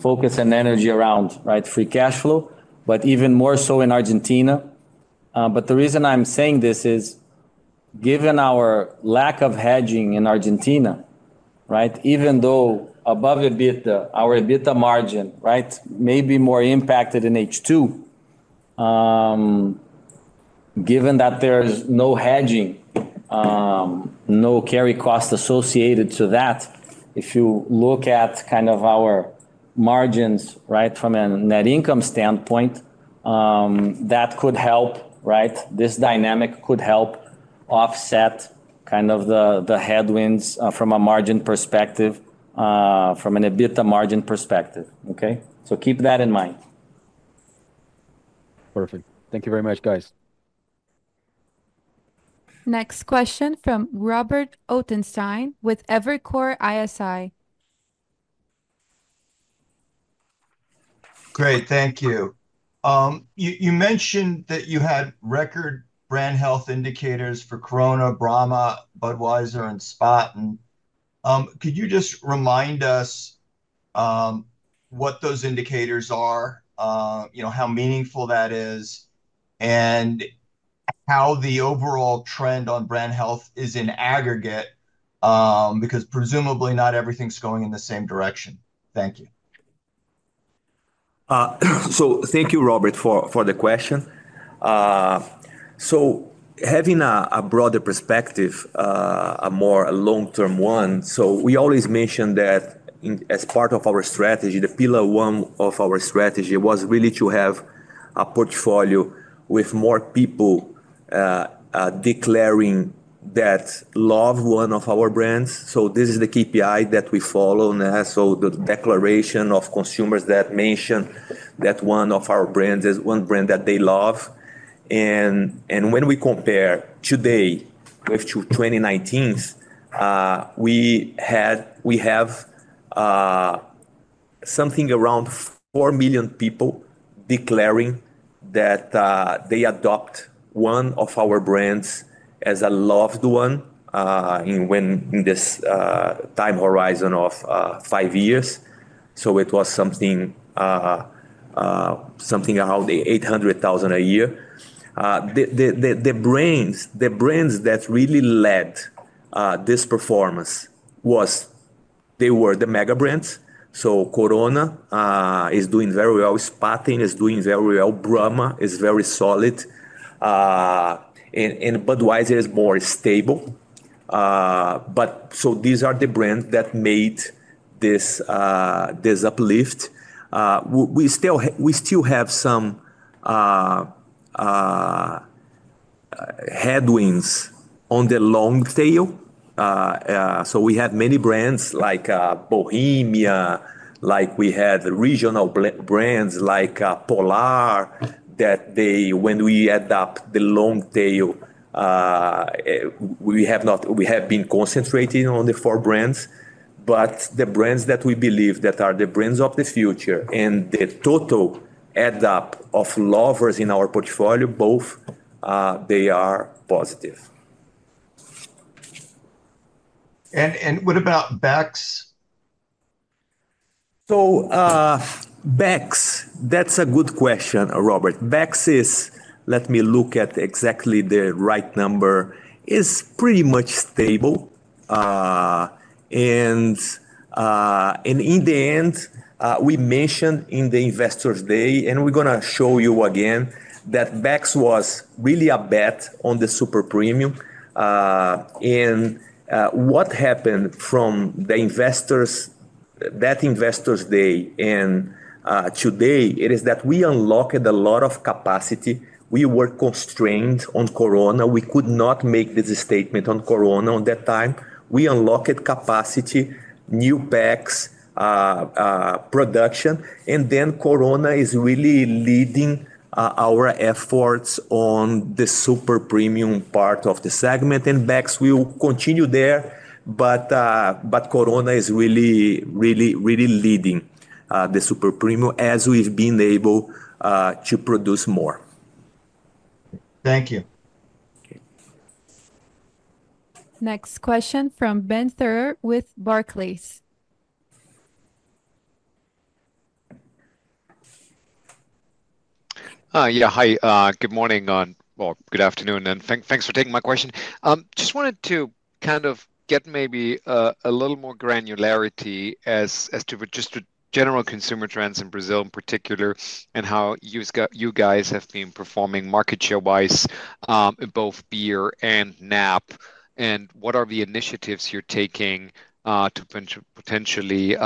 focus and energy around, right, free cash flow, but even more so in Argentina. But the reason I'm saying this is, given our lack of hedging in Argentina, right, even though above EBITDA, our EBITDA margin, right, may be more impacted in H2. Given that there's no hedging, no carry cost associated to that, if you look at kind of our margins, right, from a net income standpoint, that could help, right? This dynamic could help offset kind of the headwinds from a margin perspective, from an EBITDA margin perspective. Okay? So keep that in mind. Perfect. Thank you very much, guys. Next question from Robert Ottenstein with Evercore ISI. Great. Thank you. You mentioned that you had record brand health indicators for Corona, Brahma, Budweiser, and Spaten. Could you just remind us what those indicators are, you know, how meaningful that is, and how the overall trend on brand health is in aggregate? Because presumably not everything's going in the same direction. Thank you. So thank you, Robert, for the question. So having a broader perspective, a more long-term one, so we always mention that as part of our strategy, the pillar one of our strategy was really to have a portfolio with more people declaring that love one of our brands. So this is the KPI that we follow, and so the declaration of consumers that mention that one of our brands is one brand that they love. And when we compare today with 2019s, we have something around 4 million people declaring that they adopt one of our brands as a loved one, in this time horizon of 5 years. So it was something around 800,000 a year. The brands that really led this performance were the mega brands. So Corona is doing very well. Spaten is doing very well. Brahma is very solid, and Budweiser is more stable. These are the brands that made this uplift. We still have some headwinds on the long tail. So we had many brands like Bohemia, like we had regional brands like Polar that, when we add up the long tail, we have been concentrating on the four brands, but the brands that we believe are the brands of the future and the total add up of lovers in our portfolio, both they are positive. What about Beck's? So, Beck's, that's a good question, Robert. Beck's is, Let me look at exactly the right number. It's pretty much stable. And, and in the end, we mentioned in the Investor Day, and we're gonna show you again that Beck's was really a bet on the Super Premium. And, what happened from the investors, that Investor Day and, today, it is that we unlocked a lot of capacity. We were constrained on Corona. We could not make this statement on Corona on that time. We unlocked capacity, new Beck's production, and then Corona is really leading our efforts on the Super Premium part of the segment, and Beck's will continue there, but Corona is really, really, really leading the Super Premium, as we've been able to produce more. Thank you. Okay. Next question from Ben Theurer with Barclays. Yeah. Hi, good morning all. Well, good afternoon, and thanks for taking my question. Just wanted to kind of get maybe a little more granularity as to just the general consumer trends in Brazil in particular, and how you guys have been performing market share-wise in both beer and NAB. And what are the initiatives you're taking to potentially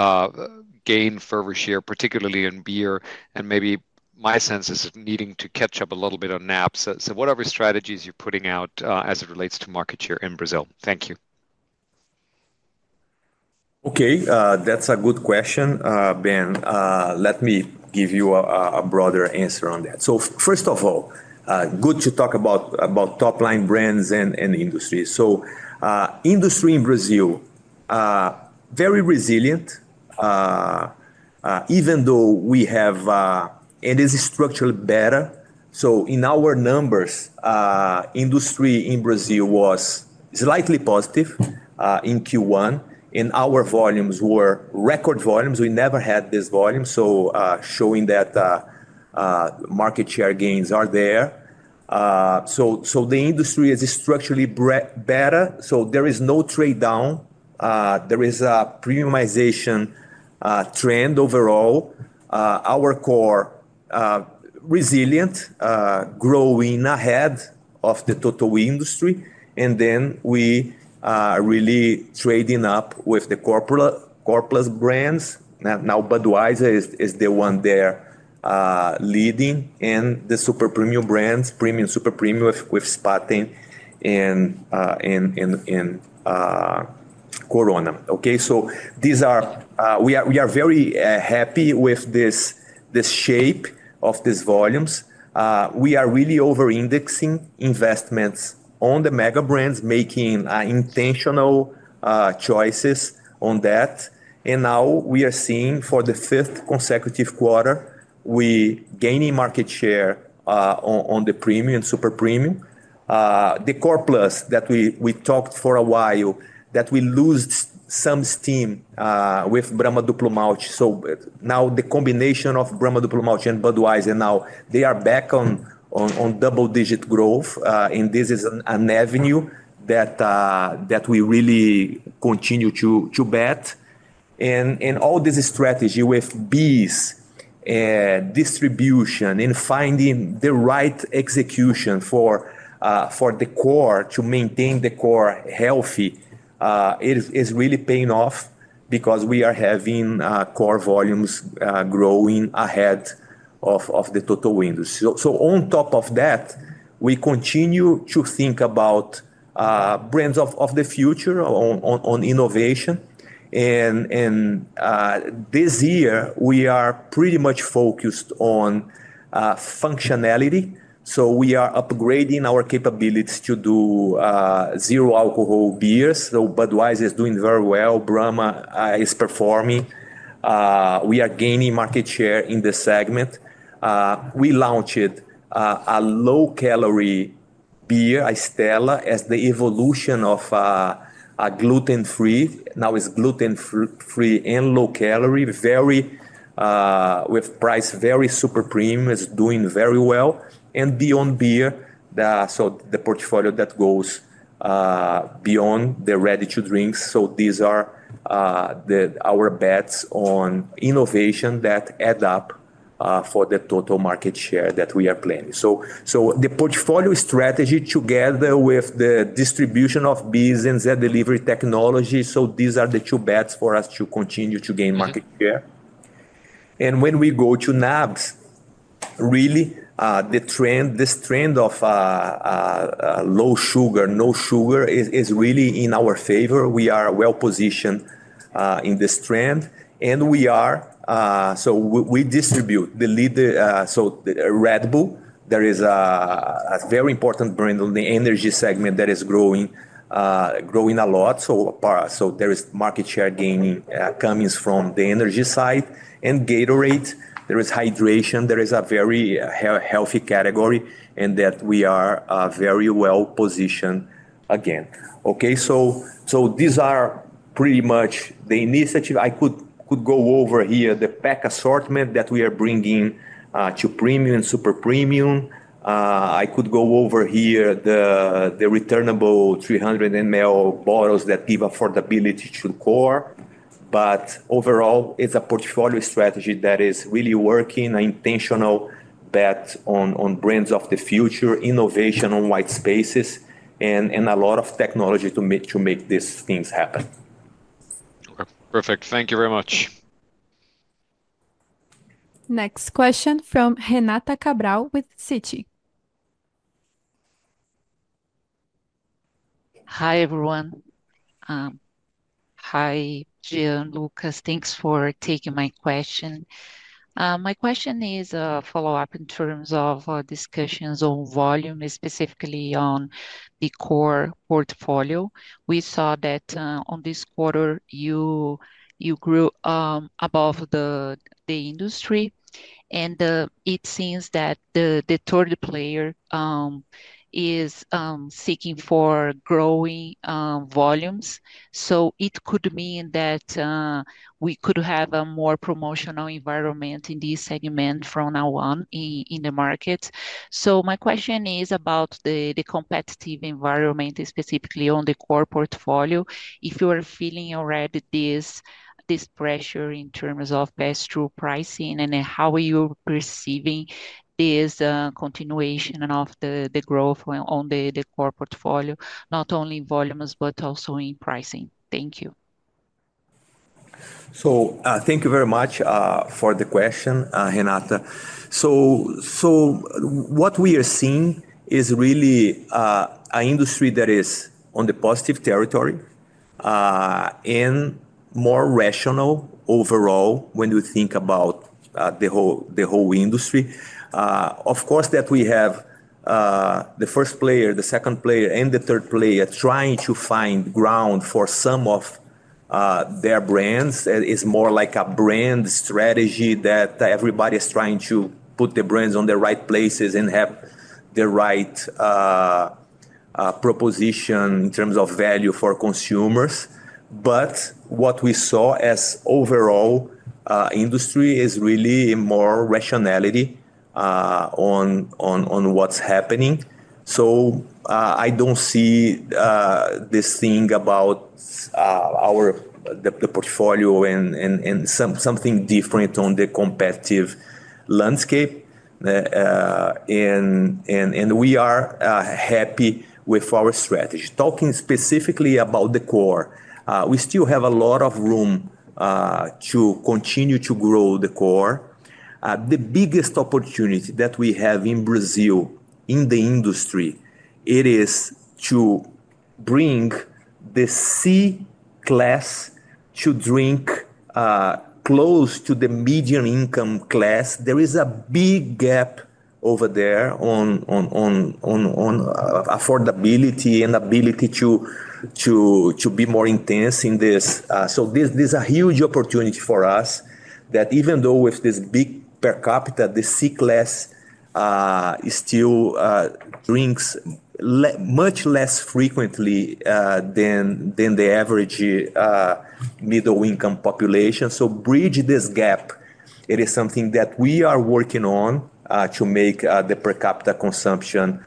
gain further share, particularly in beer? And maybe my sense is needing to catch up a little bit on NAB. So what are the strategies you're putting out as it relates to market share in Brazil? Thank you. Okay, that's a good question, Ben. Let me give you a broader answer on that. So first of all, good to talk about top-line brands and industry. So, industry in Brazil, very resilient, even though we have and is structurally better. So in our numbers, industry in Brazil was slightly positive in Q1, and our volumes were record volumes. We never had this volume, so showing that market share gains are there. So, the industry is structurally better, so there is no trade-down. There is a premiumization trend overall. Our core resilient, growing ahead of the total industry, and then we really trading up with the Core Plus brands. Now Budweiser is the one there leading in the Super Premium brands, Premium, Super Premium with Spaten and Corona. Okay, so we are very happy with this, the shape of these volumes. We are really over-indexing investments on the mega brands, making intentional choices on that. And now we are seeing for the fifth consecutive quarter we gaining market share on the Premium, Super Premium. The Core Plus that we talked for a while, that we lost some steam with Brahma Duplo Malte. So now the combination of Brahma Duplo Malte and Budweiser, now they are back on double-digit growth. And this is an avenue that we really continue to bet. And all this strategy with beers, distribution, and finding the right execution for the core to maintain the core healthy is really paying off because we are having core volumes growing ahead of the total industry. So on top of that, we continue to think about brands of the future on innovation. And this year we are pretty much focused on functionality. So we are upgrading our capabilities to do zero alcohol beers. So Budweiser is doing very well. Brahma is performing. We are gaining market share in this segment. We launched a low-calorie beer, Stella, as the evolution of a gluten-free. Now it's gluten-free and low calorie, very with price, very Super Premium. It's doing very well. And beyond beer, the portfolio that goes beyond the ready-to-drinks, so these are the—our bets on innovation that add up for the total market share that we are planning. So the portfolio strategy, together with the distribution of beers and Zé Delivery technology, so these are the two bets for us to continue to gain market share. And when we go to NABs, really, the trend, this trend of low sugar, no sugar is really in our favor. We are well positioned in this trend, and we are. So we distribute Red Bull, so the Red Bull, there is a very important brand on the energy segment that is growing a lot. So there is market share gaining coming from the energy side. And Gatorade, there is hydration. There is a very healthy category, and that we are very well positioned again. Okay, so these are pretty much the initiative. I could go over here, the pack assortment that we are bringing to Premium and Super Premium. I could go over here the returnable 300 ml bottles that give affordability to core. But overall, it's a portfolio strategy that is really working, an intentional bet on brands of the future, innovation on white spaces, and a lot of technology to make these things happen. Okay, perfect. Thank you very much. Next question from Renata Cabral with Citi. Hi, everyone. Hi, Jean, Lucas. Thanks for taking my question. My question is a follow-up in terms of discussions on volume, specifically on the core portfolio. We saw that on this quarter, you grew above the industry, and it seems that the third player is seeking for growing volumes. So it could mean that we could have a more promotional environment in this segment from now on in the market. So my question is about the competitive environment, specifically on the core portfolio. If you are feeling already this pressure in terms of pass-through pricing, and then how are you perceiving this continuation of the growth when on the core portfolio, not only in volumes, but also in pricing? Thank you. So, thank you very much for the question, Renata. So, what we are seeing is really an industry that is on the positive territory and more rational overall, when you think about the whole industry. Of course, we have the first player, the second player, and the third player trying to find ground for some of their brands. It's more like a brand strategy that everybody is trying to put their brands on the right places and have the right proposition in terms of value for consumers. But what we saw as overall industry is really more rationality on what's happening. So, I don't see this thing about our the portfolio and something different on the competitive landscape. And we are happy with our strategy. Talking specifically about the core, we still have a lot of room to continue to grow the core. The biggest opportunity that we have in Brazil in the industry, it is to bring the C class to drink close to the medium income class. There is a big gap over there on affordability and ability to be more intense in this. So this a huge opportunity for us, that even though with this big per capita, the C class still drinks much less frequently than the average middle-income population. So bridge this gap, it is something that we are working on to make the per capita consumption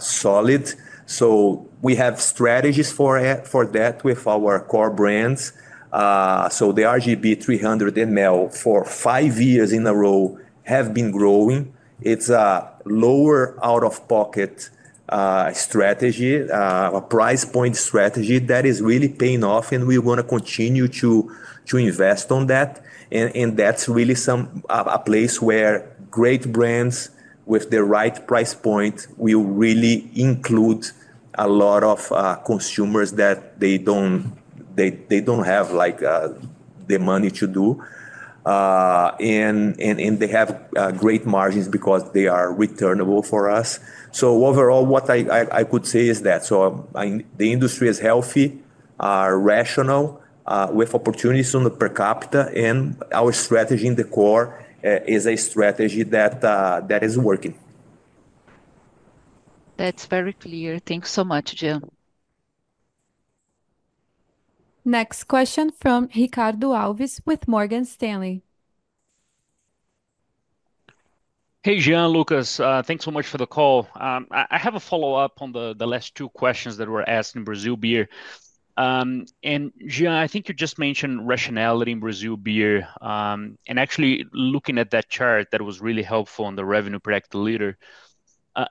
solid. So we have strategies for that with our core brands. So the RGB 300 ml for five years in a row have been growing. It's a lower out-of-pocket strategy, a price point strategy that is really paying off, and we wanna continue to invest on that. And that's really a place where great brands with the right price point will really include a lot of consumers that they don't have, like, the money to do. And they have great margins because they are returnable for us. So overall, what I could say is that. So the industry is healthy, rational, with opportunities on the per capita, and our strategy in the core is a strategy that is working. That's very clear. Thank you so much, Jean. Next question from Ricardo Alves with Morgan Stanley. Hey, Jean, Lucas, thanks so much for the call. I have a follow-up on the last two questions that were asked in Brazil beer. Jean, I think you just mentioned rationality in Brazil Beer. Actually looking at that chart, that was really helpful on the revenue per hectoliter.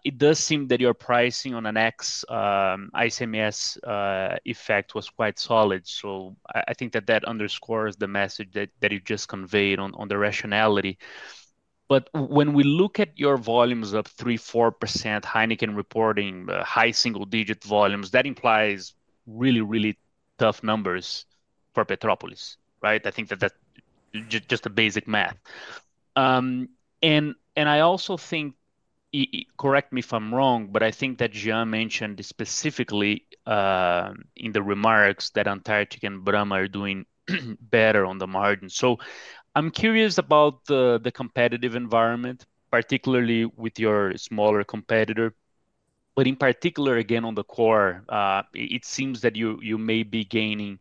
It does seem that your pricing on an ex-ICMS effect was quite solid. So I think that that underscores the message that you just conveyed on the rationality. But when we look at your volumes up 3%-4%, Heineken reporting high single-digit volumes, that implies really, really tough numbers for Petrópolis, right? I think that that just basic math. And I also think... Correct me if I'm wrong, but I think that Jean mentioned specifically in the remarks that Antarctica and Brahma are doing better on the margin. So I'm curious about the competitive environment, particularly with your smaller competitor. But in particular, again, on the core, it seems that you may be gaining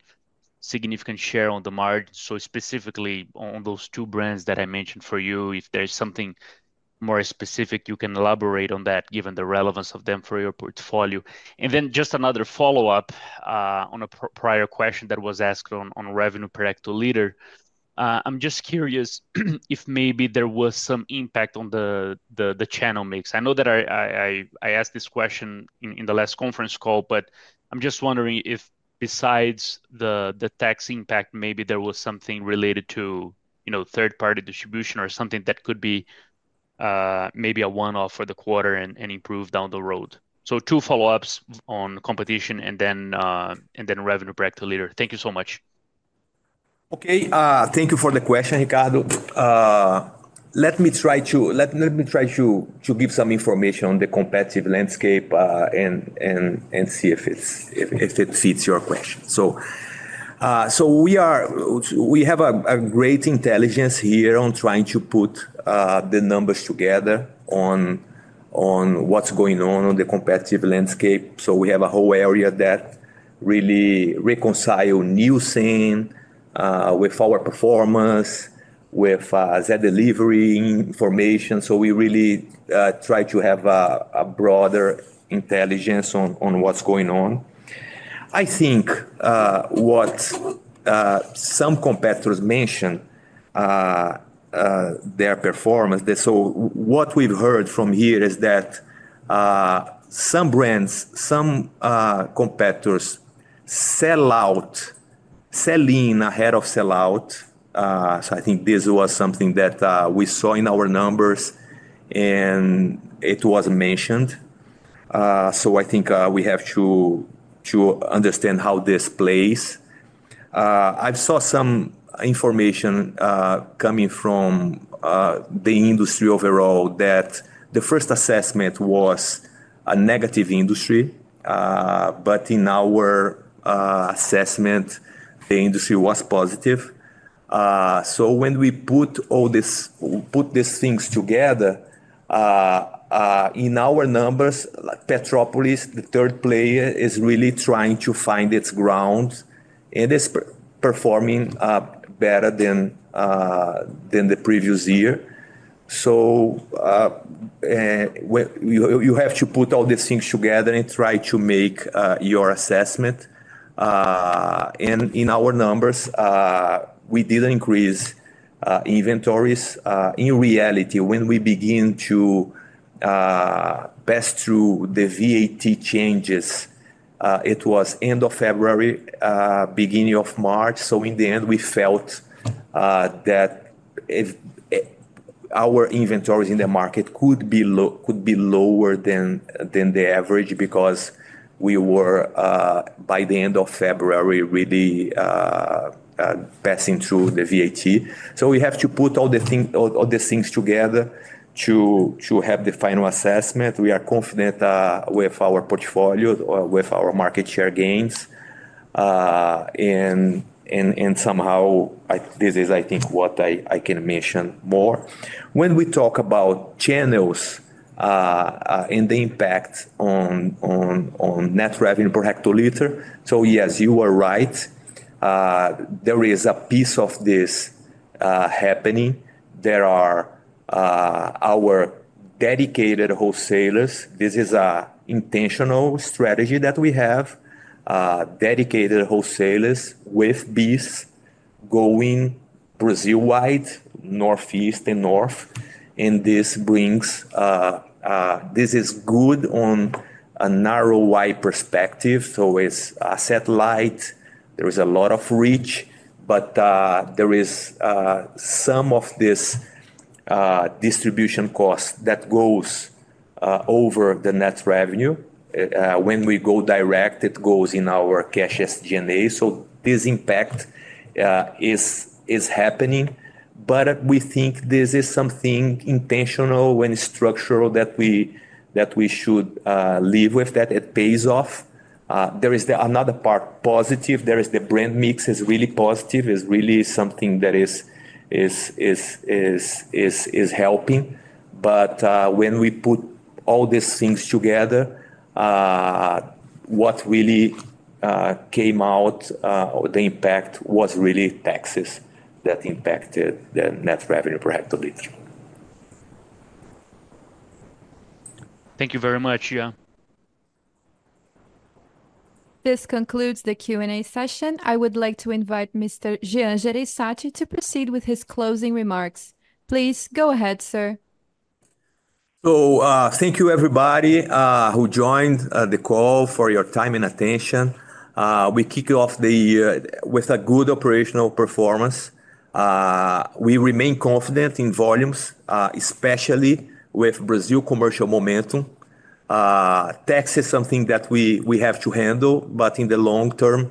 significant share on the margin. So specifically on those two brands that I mentioned for you, if there's something more specific you can elaborate on that, given the relevance of them for your portfolio. And then just another follow-up on a prior question that was asked on revenue per hectoliter. I'm just curious if maybe there was some impact on the channel mix. I know that I asked this question in the last conference call, but I'm just wondering if besides the tax impact, maybe there was something related to, you know, third-party distribution or something that could be maybe a one-off for the quarter and improve down the road. So two follow-ups on competition and then revenue per active liter. Thank you so much. Okay, thank you for the question, Ricardo. Let me try to give some information on the competitive landscape, and see if it fits your question. So we have a great intelligence here on trying to put the numbers together on what's going on in the competitive landscape. So we have a whole area that really reconciles Nielsen with our performance, with Zé Delivery information. So we really try to have a broader intelligence on what's going on. I think what some competitors mention their performance. So what we've heard from here is that some brands, some competitors sell-out, selling ahead of sell-out. So I think this was something that we saw in our numbers, and it was mentioned. So I think we have to understand how this plays. I saw some information coming from the industry overall, that the first assessment was a negative industry, but in our assessment, the industry was positive. So when we put all these things together in our numbers, Petrópolis, the third player, is really trying to find its grounds, and is performing better than the previous year. You have to put all these things together and try to make your assessment. And in our numbers, we did increase inventories. In reality, when we begin to pass through the VAT changes. It was end of February, beginning of March. So in the end, we felt that if our inventories in the market could be lower than the average, because we were, by the end of February, really passing through the VAT. So we have to put all these things together to have the final assessment. We are confident with our portfolio, with our market share gains. And somehow, this is, I think, what I can mention more. When we talk about channels, and the impact on net revenue per hectoliter. So yes, you are right. There is a piece of this happening. There are our dedicated wholesalers. This is an intentional strategy that we have, dedicated wholesalers with beers going Brazil-wide, Northeast and North, and this brings. This is good on a narrow, wide perspective. So it's a satellite. There is a lot of reach, but there is some of this distribution cost that goes over the net revenue. When we go direct, it goes in our cash SG&A. So this impact is happening, but we think this is something intentional and structural that we should live with, that it pays off. There is another part, positive. The brand mix is really positive, is really something that is helping. When we put all these things together, what really came out, or the impact was really taxes that impacted the net revenue per hectoliter. Thank you very much, yeah. This concludes the Q&A session. I would like to invite Mr. Jean Jereissati to proceed with his closing remarks. Please go ahead, sir. So, thank you everybody, who joined, the call, for your time and attention. We kick off the year with a good operational performance. We remain confident in volumes, especially with Brazil commercial momentum. Tax is something that we have to handle, but in the long term,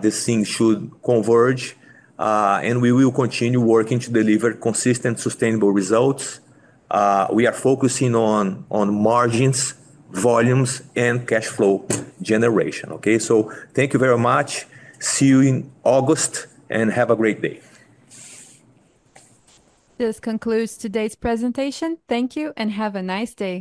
this thing should converge. And we will continue working to deliver consistent, sustainable results. We are focusing on margins, volumes, and cash flow generation. Okay, so thank you very much. See you in August, and have a great day. This concludes today's presentation. Thank you, and have a nice day.